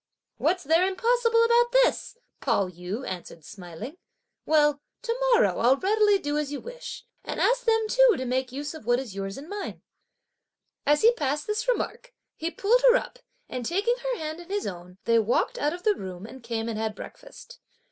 "What's there impossible about this?" Pao yü answered smiling; "well, to morrow I'll readily do as you wish, and ask them too to make use of what is yours and mine." As he passed this remark, he pulled her up, and taking her hand in his own, they walked out of the room and came and had breakfast.